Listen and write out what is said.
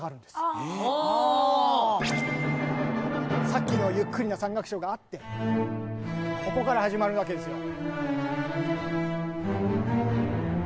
さっきのゆっくりな３楽章があってここから始まるわけですよ。